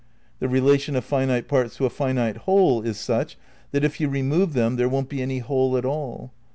The relation of finite parts to a finite whole is such that if you remove them there won't be any whole at all.